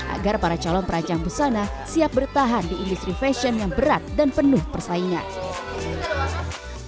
agar para calon perancang busana siap bertahan di industri fashion yang berat dan penuh persaingan